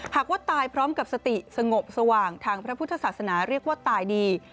หากว่าตายพร้อมกับสติสงบสว่างทางพระพุทธศาสนาเรียกว่าตายดี